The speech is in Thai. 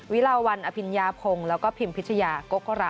วิราววรรณอภิญญาพงษ์แล้วก็พิมพิชยาโกโกรัม